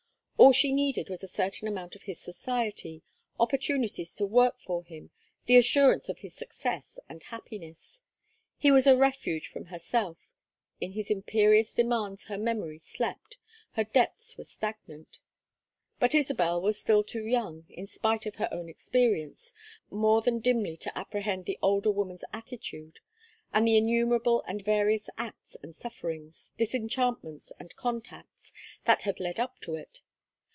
All she needed was a certain amount of his society, opportunities to work for him, the assurance of his success and happiness. He was a refuge from herself; in his imperious demands her memory slept, her depths were stagnant. But Isabel was still too young, in spite of her own experience, more than dimly to apprehend the older woman's attitude, and the innumerable and various acts and sufferings, disenchantments and contacts that had led up to it.